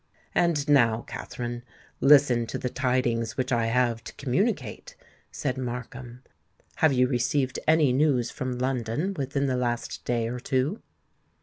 "And now, Katherine, listen to the tidings which I have to communicate," said Markham. "Have you received any news from London within the last day or two?"